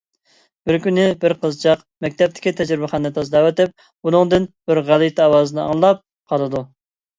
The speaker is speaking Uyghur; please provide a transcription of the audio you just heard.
بىر كۈنى بىر قىزچاق مەكتەپتىكى تەجرىبىخانىنى تازىلاۋېتىپ بۇلۇڭدىن بىر غەلىتە ئاۋازنى ئاڭلاپ قالىدۇ.